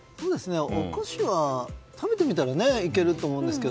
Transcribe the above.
おこしは食べてみたらいけると思うんですけど。